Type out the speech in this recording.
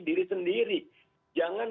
diri sendiri jangan